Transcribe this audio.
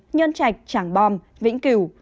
nhân trạch trảng bom vĩnh cửu